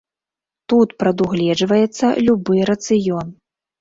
Тут прадугледжваецца любы рацыён.